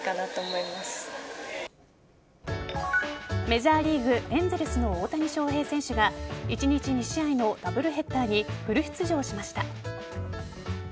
メジャーリーグエンゼルスの大谷翔平選手が１日２試合のダブルヘッダーにフル出場しました。